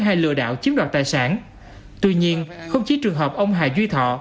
hay lừa đảo chiếm đoạt tài sản tuy nhiên không chỉ trường hợp ông hà duy thọ